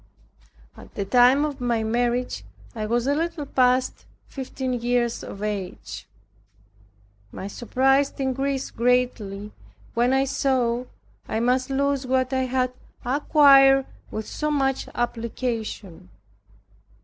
At the time of my marriage I was a little past fifteen years of age. My surprise increased greatly, when I saw I must lose what I had acquired with so much application.